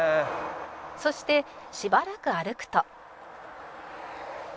「そしてしばらく歩くと」